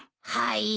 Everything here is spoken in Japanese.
はい。